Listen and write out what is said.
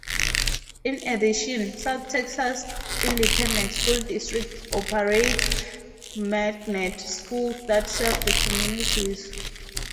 In addition, South Texas Independent School District operates magnet schools that serve the communities.